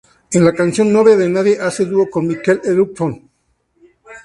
En la canción "Novia de nadie" hace dúo con Mikel Erentxun.